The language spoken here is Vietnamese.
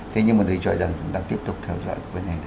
thế nhưng mà rõ ràng chúng ta tiếp tục theo dõi